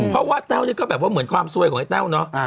เพราะว่าแต้วนี่ก็แบบว่าเหมือนความซวยของไอ้แต้วเนอะ